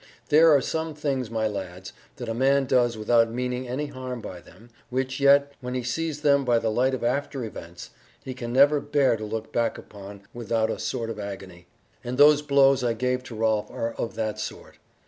There are some things, my lads, that a man does without meaning any harm by them, which yet, when he sees them by the light of after events, he can never bear to look back upon without a sort of agony; and those blows I gave to Rolf are of that sort.